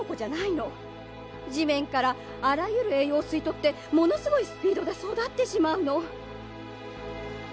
じめんからあらゆるえいようをすいとってものすごいスピードでそだってしまうの。